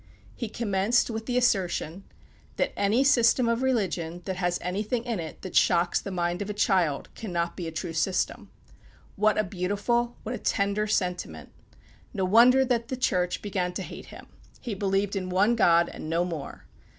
He commenced with the assertion, "That any system of religion that has anything in it that shocks the mind of a child cannot be a true system." What a beautiful, what a tender sentiment! No wonder that the Church began to hate him. He believed in one God, and no more.